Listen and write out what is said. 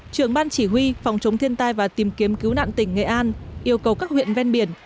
trưởng ban chỉ huy phòng chống thiên tai và tìm kiếm cứu nạn tỉnh nghệ an yêu cầu các huyện ven biển